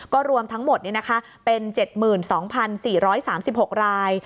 รวมทั้งหมดเป็น๗๒๔๓๖ราย